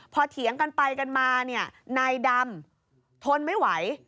พอเถียงกันไปกันมาเนี่ยนายดำทนไม่ไหว